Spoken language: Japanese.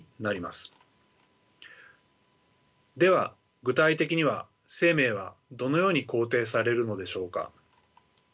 では具体的には生命はどのように肯定されるのでしょうか。